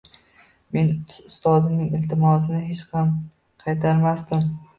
Men ustozimning iltimosini hech ham qaytarmasdim.